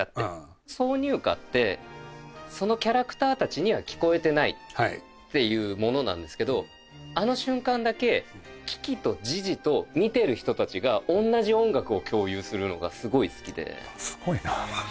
挿入歌って、そのキャラクターたちには聞こえてないっていうものなんですけど、あの瞬間だけ、キキとジジと見てる人たちが、同じ音楽を共有するのがすごい好すごいな。